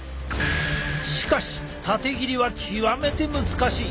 しかし縦切りは極めて難しい。